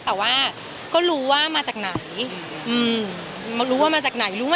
แต่ว่าก็รู้ว่ามาจากไหนรู้มานานแล้วด้วย